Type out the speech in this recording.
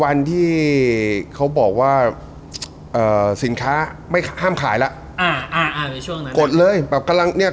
วันที่เขาบอกว่าสินค้าห้ามขายแล้วกดเลย